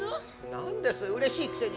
何ですうれしいくせに。